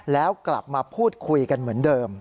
แล้วกลับมาพูดคุยกันเหมือนเดิม